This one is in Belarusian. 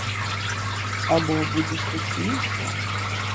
Або будзе штосьці іншае?